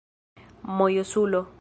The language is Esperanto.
mojosulo